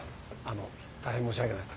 あの大変申し訳ない。